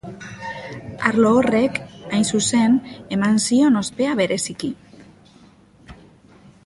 Arlo horrek, hain zuzen, eman zion ospea bereziki.